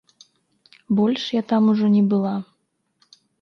Больш я там ужо не была.